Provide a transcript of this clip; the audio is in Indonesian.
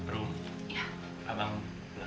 rum abang belakang dulu ya